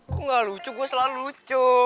gue gak lucu gue selalu lucu